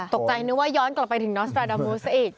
นึกว่าย้อนกลับไปถึงนอสตราดามูสซะอีก